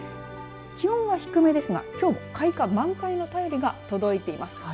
気温は低めですがきょう開花、満開の便りが届いています。